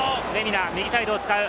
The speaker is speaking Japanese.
右サイドを使う。